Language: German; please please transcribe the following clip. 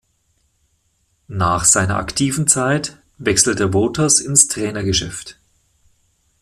Nach seiner aktiven Zeit wechselte Wouters ins Trainergeschäft.